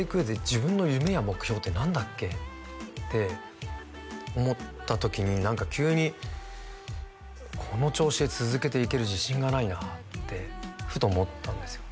「自分の夢や目標って何だっけ？」って思った時に何か急に「この調子で続けていける自信がないな」ってふと思ったんですよ